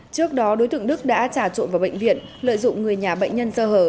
trước đó đối tượng đức đã trà trộn vào bệnh viện lợi dụng người nhà bệnh nhân sơ hở